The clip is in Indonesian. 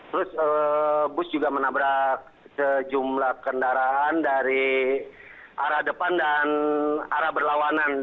terus bus juga menabrak sejumlah kendaraan dari arah depan dan arah berlawanan